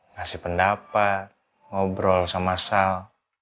ngasih pendapat ngobrol sama sal